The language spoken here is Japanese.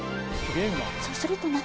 そうすると中。